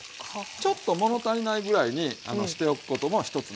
ちょっと物足りないぐらいにしておくことも一つのコツですね。